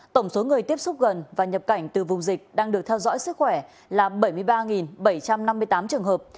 tổng số người tiếp xúc gần và nhập cảnh từ vùng dịch đang được theo dõi sức khỏe là bảy mươi ba bảy trăm năm mươi tám trường hợp